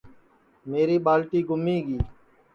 میری ٻالٹی گُمی گی